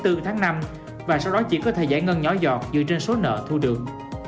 tháng bốn tháng năm và sau đó chỉ có thời giải ngân nhỏ dọt dựa trên số nợ thu được